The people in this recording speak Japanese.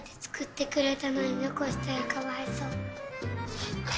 そっか。